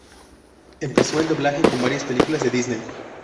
Empezó el doblaje con varias películas de Disney.